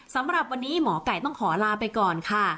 สำหรับวันนี้หมอไก่ต้องขอลาไปก่อนค่ะ